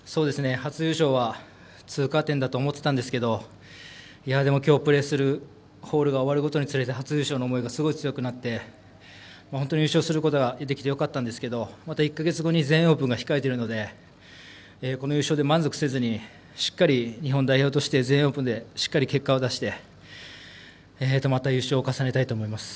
初優勝は通過点だと思ってたんですけどきょうプレーするホールが終わるにつれて初優勝の思いがすごい強くなって本当に優勝することができてよかったんですけどまた１か月後に全英オープンが控えていますからこの優勝で満足せずにしっかり日本代表として全英オープンでしっかり結果を出してまた優勝を重ねたいと思います。